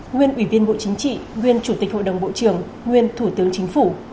nguyên ủy viên bộ chính trị nguyên chủ tịch hội đồng bộ trưởng nguyên thủ tướng chính phủ